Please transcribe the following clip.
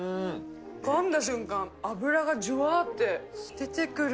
かんだ瞬間、脂がじゅわーって出てくる。